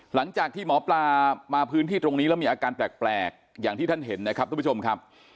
หลังจากที่หมอปลามาพื้นที่ตรงนี้แล้วมีอาการแปลกอย่างที่ท่านเห็นนะครับทุกผู้ชมครับ